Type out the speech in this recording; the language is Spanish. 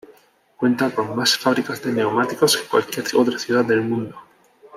Cuenta con más fábricas de neumáticos que cualquier otra ciudad del mundo.